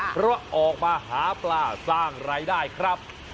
เพราะออกมาหาปลาสร้างรายได้ครับ